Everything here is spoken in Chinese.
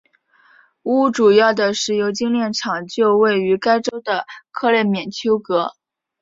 乌主要的石油精炼厂就位于该州的克列缅丘格。